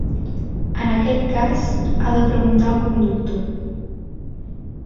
En aquest cas ha de preguntar al conductor.